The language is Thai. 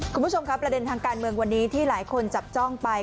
คุณผู้ชมครับประเด็นทางการเมืองวันนี้ที่หลายคนจับจ้องไป